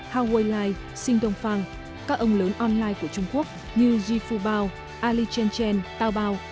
hao wei lai xin dong fang các ông lớn online của trung quốc như ji fu bao ali chen chen tao bao